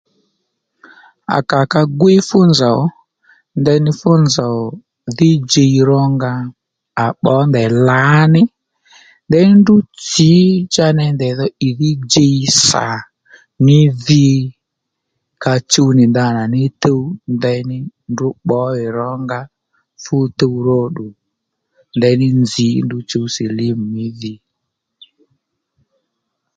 À kà ka gwíy fú nzòw ndeyní fú nzòw dhí djiy rónga à bbǒ ndèy lǎní ndèy ndrǔ tsǐ cha ney ndèy dho ì dhí djiy sà ní dhi ka chuw nì ndana ní tuw ndèyni ndrǔ bbǒ ì ró nga fú tuw ró ddú ndeyní nzǐ ndru chǔw silimu mí dhi